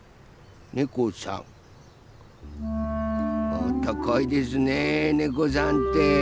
あったかいですねねこさんって。